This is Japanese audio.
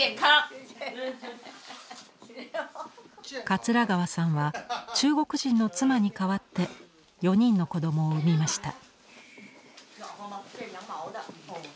桂川さんは中国人の妻に代わって４人の子どもを産みました。